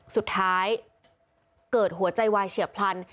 สุดท้ายเกิดหัวใจวายเฉียบพลัน